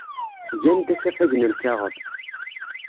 Gan-d asafag n lkaɣeḍ.